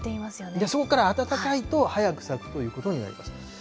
そこから暖かいと早く咲くということになります。